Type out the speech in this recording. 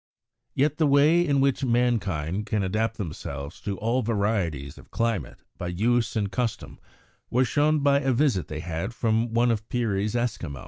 Yet the way in which mankind can adapt themselves to all varieties of climate, by use and custom, was shown by a visit they had from one of Peary's Eskimo.